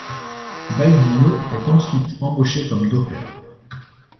Balduino est ensuite embauché comme docker.